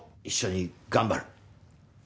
一緒に頑張る。